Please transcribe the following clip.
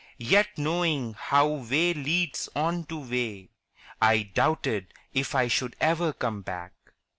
Yet knowing how way leads on to way, I doubted if I should ever come back.